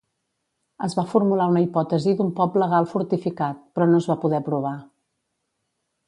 Es va formular una hipòtesi d'un poble gal fortificat, però no es va poder provar.